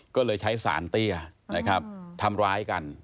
ก็เลยใช้สารเตี้ยนะครับทำร้ายกัน